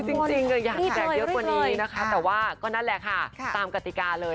จริงอยากแจกเยอะกว่านี้นะคะแต่ว่าก็นั่นแหละค่ะตามกติกาเลย